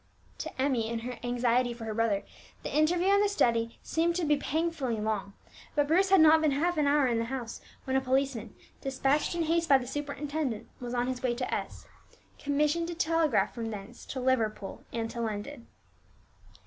To Emmie, in her anxiety for her brother, the interview held in the study seemed to be painfully long; but Bruce had not been half an hour in the house when a policeman, despatched in haste by the superintendent, was on his way to S , commisssioned to telegraph from thence to Liverpool and to London.